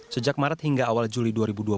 sejak maret hingga awal juli dua ribu dua puluh